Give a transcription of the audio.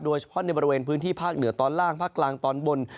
โดยเฉพาะในบริเวณพื้นที่ภาคเหนือตอนล่างภาคกลางตอนบน